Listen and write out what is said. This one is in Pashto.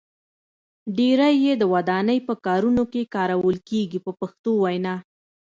ډیری یې د ودانۍ په کارونو کې کارول کېږي په پښتو وینا.